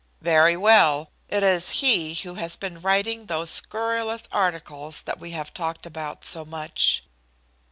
"Very well. It is he who has been writing those scurrilous articles that we have talked about so much."